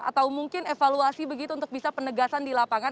atau mungkin evaluasi begitu untuk bisa penegasan di lapangan